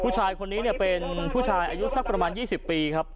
ผู้ชายคนนี้เป็นผู้ชายอายุสักประมาณ๒๐ปีครับ